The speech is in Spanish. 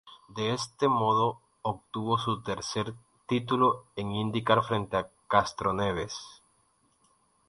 De este modo, obtuvo su tercer título en IndyCar frente a Castroneves.